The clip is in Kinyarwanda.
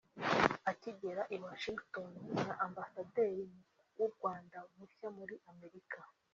akigera i Washington nka Ambasaderi w’u Rwanda mushya muri Amerika